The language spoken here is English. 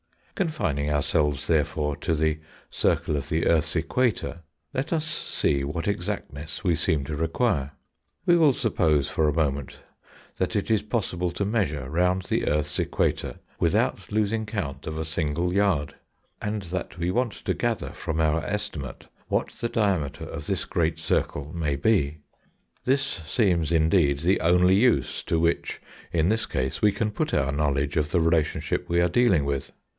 Confining ourselves, therefore, to the circle of the earth's equator, let us see what exactness we seem to require. We will suppose for a moment that it is possible to measure round the earth's equator without losing count of a single yard, and that we want to gather from our estimate what the diameter of this great circle may be. This seems, indeed, the only use to which, in this case, we can put our knowledge of the relation we are dealing with.